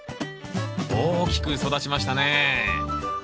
大きく育ちましたね